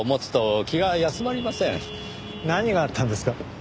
何があったんですか？